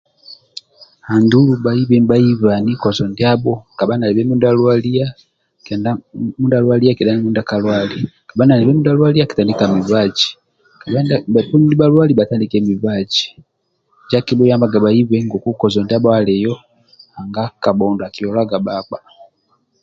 Andulu bhaibe bhaibani kojo ndiabho kabha nalibe mindia alwalia kedha mindia akalwali kabha nalibe mindia alwalia akitandika mibaji kedha bhoponi nibhalwali bhatandike mibaji injo akiyambaga bhaibe ngoku kojo ndiabho alio nanga kabhondo akiolaga bhakpa.